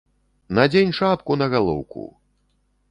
Надзень шапку на галоўку!